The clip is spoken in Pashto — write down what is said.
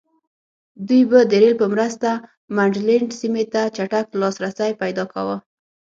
دوی به د رېل په مرسته منډلینډ سیمې ته چټک لاسرسی پیدا کاوه.